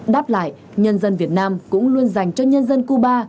đáp lại nhân dân việt nam cũng luôn dành cho nhân dân cuba